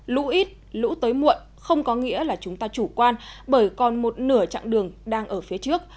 lũ ít lũ tới muộn không có nghĩa là chúng ta chủ quan bởi còn một nửa chặng đường đang ở phía trước